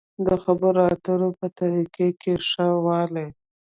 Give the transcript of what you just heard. د خبرو اترو په طريقه کې ښه والی.